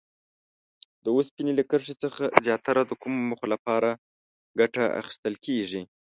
د اوسپنې له کرښې څخه زیاتره د کومو موخو لپاره ګټه اخیستل کیږي؟